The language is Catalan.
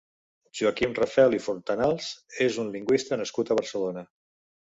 Joaquim Rafel i Fontanals és un lingüista nascut a Barcelona.